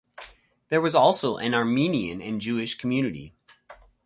There was also an Armenian and Jewish community.